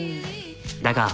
だが。